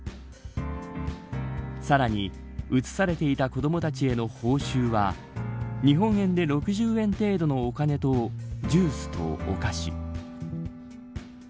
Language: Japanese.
さらに映されていた子どもたちへの報酬は日本円で６０円程度のお金とジュースとお菓子。